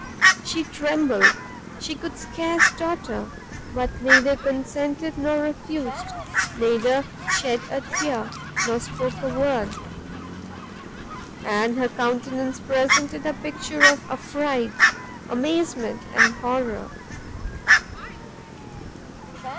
She trembled, she could scarce totter, but neither consented nor refused, neither shed a tear, nor spoke a word, and her countenance presented a picture of affright, amazement, and horror.